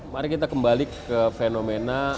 mari kita kembali ke fenomena